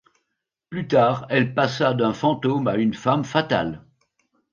Plus tard, elle passa d’un fantôme à une femme fatale.